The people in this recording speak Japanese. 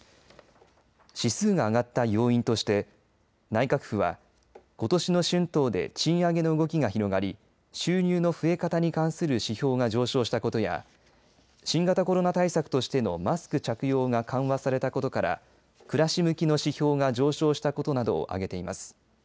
指数が上がった要因として内閣府はことしの春闘で賃上げの動きが広がり収入の増え方に関する指標が上昇したことや新型コロナ対策としてのマスク着用が緩和されたことから暮らし向きの指標が上昇したことなどを挙げています。